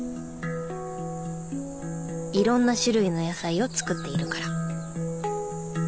いろんな種類の野菜を作っているから。